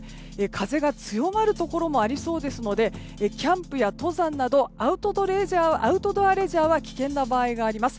風が強まるところもありそうですのでキャンプや登山などアウトドアレジャーは危険な場合があります。